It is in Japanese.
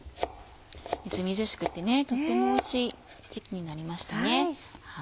みずみずしくてとてもおいしい時季になりましたね。